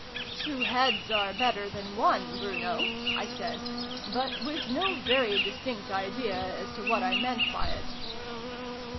" Two heads are better than one, Bruno," I said, but with no very distinct idea as to what I meant by it.